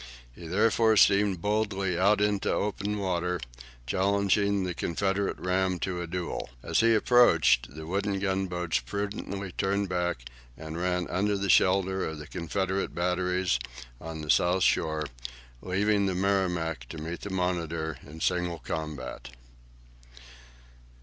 He therefore steamed boldly out into the open water, challenging the Confederate ram to a duel. As he approached the wooden gunboats prudently turned back and ran under the shelter of the Confederate batteries on the south shore, leaving the "Merrimac" to meet the "Monitor" in single combat.